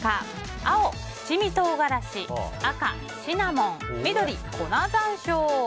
青、七味唐辛子赤、シナモン緑、粉山椒。